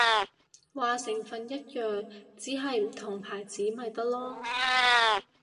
話成分一樣，只係唔同牌子咪得囉